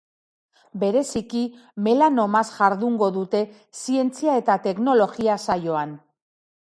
Bereziki melanomaz jardungo dute zientzia eta teknologia saioan.